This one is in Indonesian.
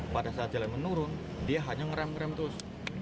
pada saat jalan menurun dia hanya ngerem ngerem terus